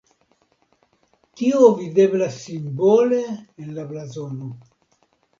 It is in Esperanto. Tio videblas simbole en la blazono.